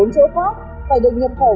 bốn chỗ khác phải được nhập khẩu